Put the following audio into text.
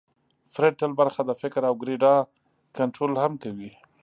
فرنټل برخه د فکر او ګړیدا کنترول هم کوي